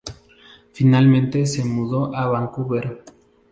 Finalmente se mudó a Vancouver.